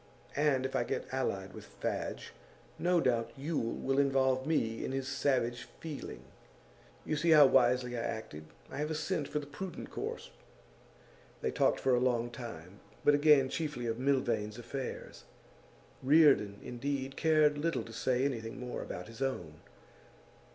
And if I get allied with Fadge, no doubt Yule will involve me in his savage feeling. You see how wisely I acted. I have a scent for the prudent course.' They talked for a long time, but again chiefly of Milvain's affairs. Reardon, indeed, cared little to say anything more about his own.